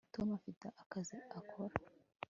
tom afite akazi akora